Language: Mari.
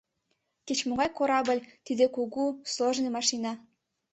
Кеч-могай корабль — тиде кугу, сложный машина.